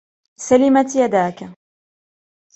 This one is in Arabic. سلمت يداك!